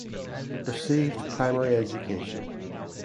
Received primary education.